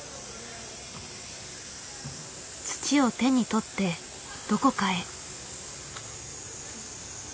土を手に取ってどこかへ。